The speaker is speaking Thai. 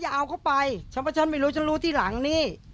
เอาเขาไปฉันว่าฉันไม่รู้ฉันรู้ที่หลังนี่